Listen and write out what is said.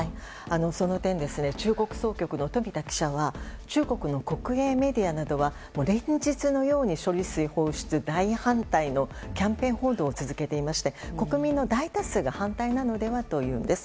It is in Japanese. その点、中国総局の富田記者は中国の国営メディアなどは連日のように処理水放出大反対のキャンペーン報道を続けていまして国民の大多数が反対なのではというんです。